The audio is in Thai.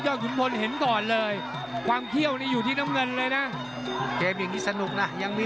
จุ๊ดขึ้นคนจุ๊ดขึ้นคนนี่มันมีดินที่โต้นี่ไง